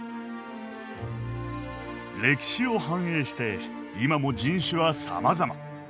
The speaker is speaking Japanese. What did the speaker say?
歴史を反映して今も人種はさまざま。